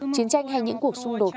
chiến tranh hay những cuộc xung đột